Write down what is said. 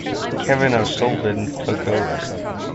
Kevin O'Sullivan took over.